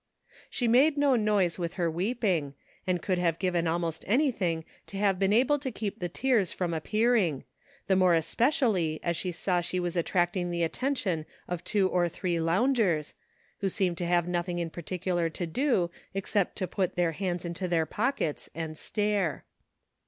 She made no noise with her weeping, and would have given almost any thing to have been able to keep the tears from appearing, the more especially as she saw she was attracting the attention of two or three loungers, who seemed to have nothing in par ticular to do except to put their hands into their pockets and stare.